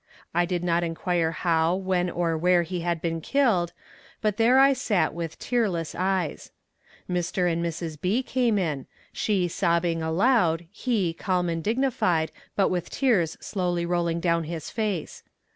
I did not inquire how, when or where he had been killed, but there I sat with tearless eyes. Mr. and Mrs. B. came in, she sobbing aloud, he calm and dignified, but with tears slowly rolling down his face.